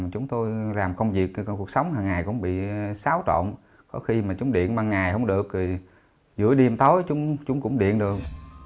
chúng tôi làm công việc cuộc sống hằng ngày cũng bị xáo trộn có khi mà chúng điện ban ngày không được giữa đêm tối chúng cũng điện được